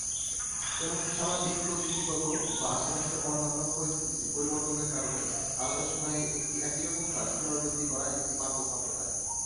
এমনকি সামাজিক, প্রযুক্তিগত বা আশেপাশের অন্যান্য পরিস্থিতিতে পরিবর্তনের কারণে আলাদা সময়ে একটি একইরকম কাজ পুনরাবৃত্তি করা একটি পার্থক্য আনতে পারে।